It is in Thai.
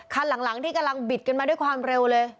คันหลังที่กำลังบิดกันมาด้วยความเร็วเลย